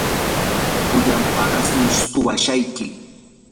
pullan paqasmi suwashayki.